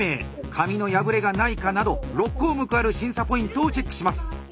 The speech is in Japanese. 紙の破れがないかなど６項目ある審査ポイントをチェックします。